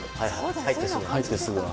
入ってすぐの。